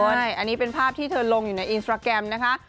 อันนี้เป็นภาพที่เธอลงอยู่ในอินสตราแกรมนะคะ